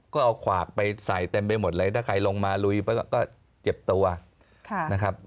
ก็เอาขวากไปใส่เต็มไปหมดเลยถ้าใครลงมาลุยก็เจ็บตัวนะครับ